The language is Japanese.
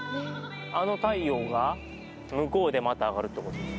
あの太陽が向こうでまた上がるってことですね。